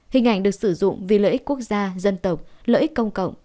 hình ảnh được sử dụng vì lợi ích quốc gia dân tộc lợi ích công cộng